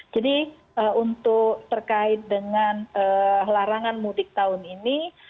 jadi untuk terkait dengan larangan mutik tahun ini